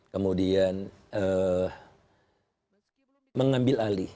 kemudian mengambil alih